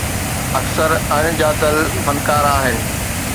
اڪثر اڻڄاتل فنڪار آهن.